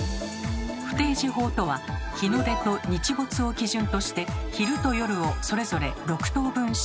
「不定時法」とは日の出と日没を基準として昼と夜をそれぞれ６等分したもの。